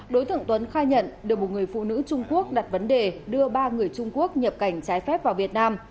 đối tượng tuấn khai nhận được một người phụ nữ trung quốc đặt vấn đề đưa ba người trung quốc nhập cảnh trái phép vào việt nam